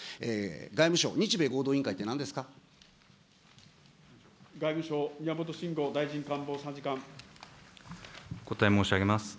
外務省、日米合同委員会ってなん外務省、宮本新吾大臣官房参お答え申し上げます。